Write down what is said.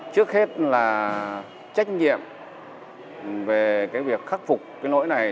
trước hết là trách nhiệm về cái việc khắc phục cái lỗi này